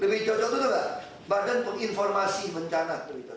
lebih cocok itu gak badan penginformasi bencana